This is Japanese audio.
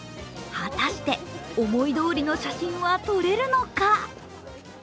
果たして思いどおりの写真は撮れるのか？